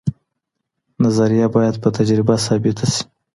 نظریه باید په تجربه ثابته سي.